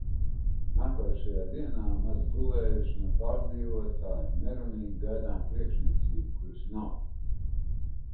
Nākošajā dienā, maz gulējuši no pārdzīvotā, nerunīgi gaidām priekšniecību, kuras nav.